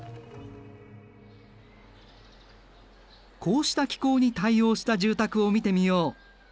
こうした気候に対応した住宅を見てみよう。